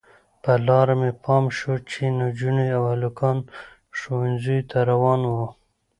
پر لاره مې پام شو چې نجونې او هلکان ښوونځیو ته روان وو.